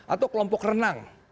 atau kelompok renang